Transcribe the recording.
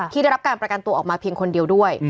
ได้รับการประกันตัวออกมาเพียงคนเดียวด้วย